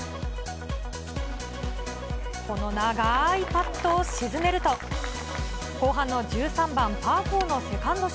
この長ーいパットを沈めると、後半の１３番パー４のセカンドシ